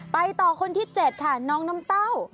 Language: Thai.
ต่อคนที่๗ค่ะน้องน้ำเต้า